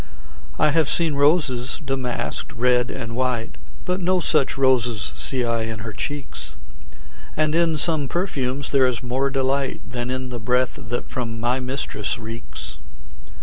I have seen roses damask'd, red and white, But no such roses see I in her cheeks; And in some perfumes is there more delight Than in the breath that from my mistress reeks.